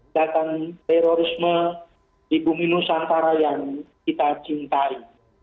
tentang terorisme di bumi nusantara yang kita cintai